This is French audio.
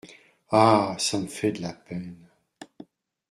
Ah ! ça me fait de la peine !